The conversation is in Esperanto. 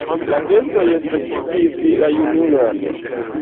La bestoj sekvis la junulon.